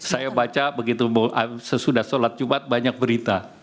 saya baca begitu sesudah sholat jumat banyak berita